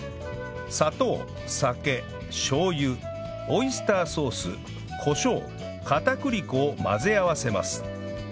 砂糖酒しょう油オイスターソースコショウ片栗粉を混ぜ合わせます